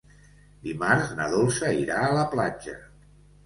Dimarts na Dolça irà a la platja.